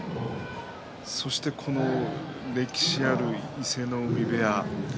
そしてこの歴史ある伊勢ノ海部屋。